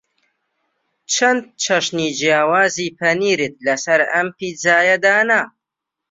چەند چەشنی جیاوازی پەنیرت لەسەر ئەم پیتزایە دانا؟